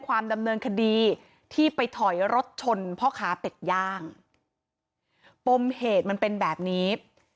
ความดำเนินคดีที่ไปถอยรถชนพ่อค้าเป็ดย่างปมเหตุมันเป็นแบบนี้